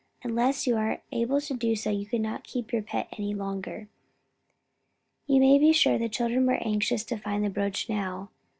Unless you are able to do so, you cannot keep your pet any longer." You may be sure the children were anxious to find the brooch now.